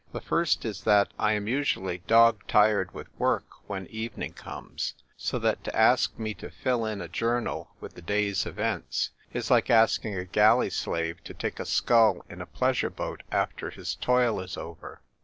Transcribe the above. The first is that I am usually dog tired with work when evening comes, so that to ask me to fill in a journal with the day's events is like asking a galley slave to take a scull in a pleasure boat after his toil is over.